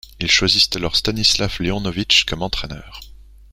Ils choisisent alors Stanislav Leonovitch comme entraîneur.